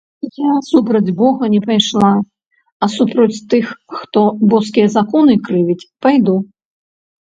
Я супроць бога не пайшла, а супроць тых, хто боскія законы крывіць, пайду.